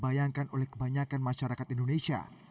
pernyataan ini dibayangkan oleh kebanyakan masyarakat indonesia